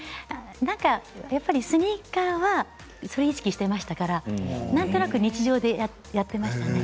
なんかやっぱりスニーカーはそれを意識していましたから、なんとなく日常でやっていましたね。